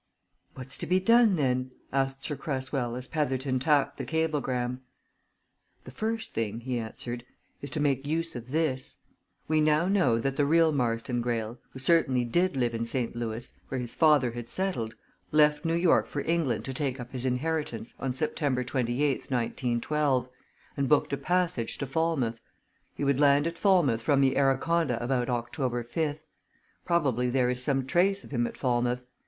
"What's to be done, then?" asked Sir Cresswell as Petherton tapped the cablegram. "The first thing," he answered, "is to make use of this. We now know that the real Marston Greyle who certainly did live in St. Louis, where his father had settled left New York for England to take up his inheritance, on September 28th, 1912, and booked a passage to Falmouth. He would land at Falmouth from the Araconda about October 5th. Probably there is some trace of him at Falmouth.